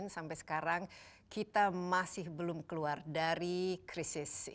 sampai sekarang kita masih belum keluar dari krisis